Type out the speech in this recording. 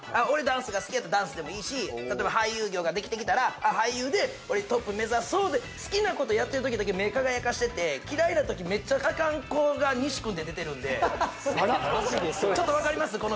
俺ダンスが好きやったらダンスでもいいし例えば俳優業ができてきたら俳優でトップ目指そうで好きなことやってるときだけ目輝かしてて嫌いなときめっちゃアカン子が西君って出てるんでちょっと分かります？